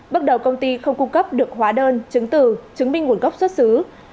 bước đầu công ty không cung cấp được hóa đơn chứng từ chứng minh nguồn gốc xuất xứ